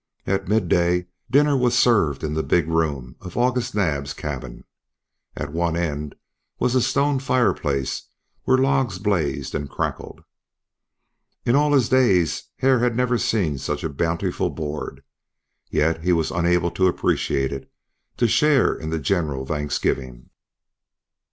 At midday dinner was served in the big room of August Naab's cabin. At one end was a stone fireplace where logs blazed and crackled. In all his days Hare had never seen such a bountiful board. Yet he was unable to appreciate it, to share in the general thanksgiving.